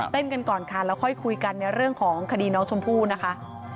กันก่อนค่ะแล้วค่อยคุยกันในเรื่องของคดีน้องชมพู่นะคะ